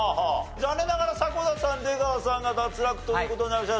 残念ながら迫田さん出川さんが脱落という事になりました。